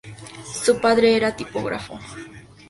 Su padre era tipógrafo.